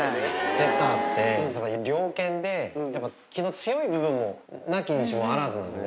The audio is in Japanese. セッターって猟犬でやっぱ、気の強い部分もなきにしもあらずなんで。